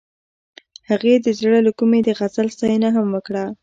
هغې د زړه له کومې د غزل ستاینه هم وکړه.